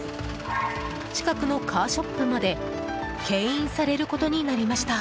近くのカーショップまで牽引されることになりました。